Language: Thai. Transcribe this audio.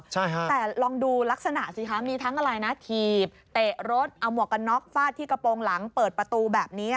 แต่ลองดูลักษณะสิคะมีทั้งอะไรนะถีบเตะรถเอาหมวกกันน็อกฟาดที่กระโปรงหลังเปิดประตูแบบนี้